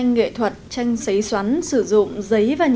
chúc tất cả bạn sống vô tình